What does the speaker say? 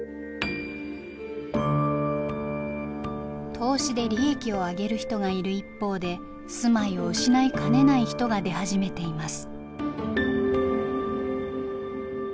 投資で利益を上げる人がいる一方で住まいを失いかねない人が出始めています。